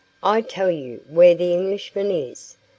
"I tell you where the Englishman is.